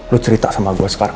lu cerita sama gue sekarang